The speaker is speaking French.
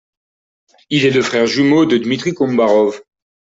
Il est le frère jumeau de Dmitri Kombarov.